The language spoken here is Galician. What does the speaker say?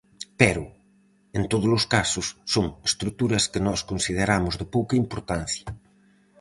Pero, en tódolos casos, son estruturas que nós consideramos de pouca importancia.